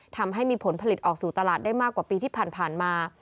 ทำให้มีผลผลิตออกสู่ตลาดได้มากกว่าปีที่ผ่านมา